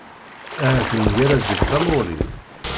Ahat nemgarad deg tamuɣli?